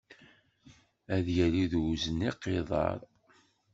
Ad yali d uzniq iḍer.